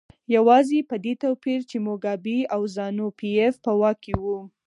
یوازې په دې توپیر چې موګابي او زانو پي ایف په واک کې وو.